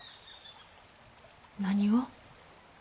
何を？